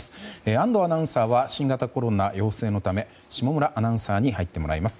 安藤アナウンサーは新型コロナ陽性のため下村アナウンサーに入ってもらいます。